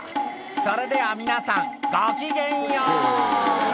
「それでは皆さんごきげんよう」